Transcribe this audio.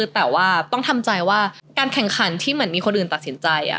แต่ว่าต้องทำใจว่าการแข่งขันที่เหมือนมีคนอื่นตัดสินใจ